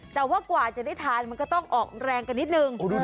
แต่ว่ากว่าจะได้ทานมันก็ต้องออกแรงกันนิดนึง